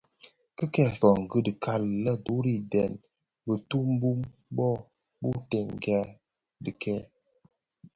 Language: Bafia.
Ki kè kongi dhu kali lè duri ideň bituu bum bō dhubtèngai dikèè.